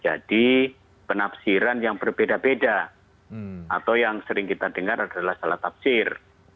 jadi penafsiran yang berbeda beda atau yang sering kita dengar adalah salah tafsir